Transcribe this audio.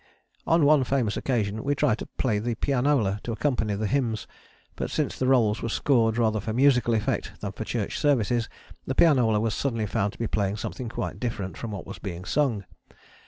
On one famous occasion we tried to play the pianola to accompany the hymns, but, since the rolls were scored rather for musical effect than for church services, the pianola was suddenly found to be playing something quite different from what was being sung.